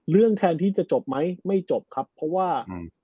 แทนที่จะจบไหมไม่จบครับเพราะว่า